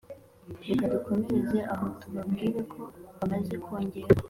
reka dukomereze aho tubabwire ko bamaze kongera